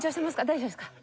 大丈夫ですか？